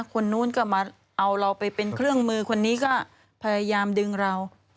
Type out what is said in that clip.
คนนู้นก็มาเอาเราไปเป็นเครื่องมือคนนี้ก็พยายามดึงเรา